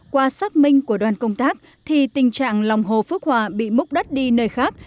qua xác minh của đoàn công tác thì tình trạng lòng hồ phước hòa bị múc đất đi nơi khác